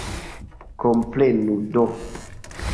Komprenu do!